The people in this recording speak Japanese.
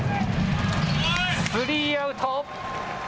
スリーアウト。